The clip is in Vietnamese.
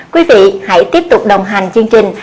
quý vị hãy tiếp tục đồng hành chương trình